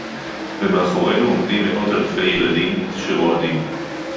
ומאחורינו עומדים מאות אלפי ילדים שרועדים